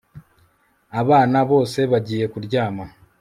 Abana bose bagiye kuryama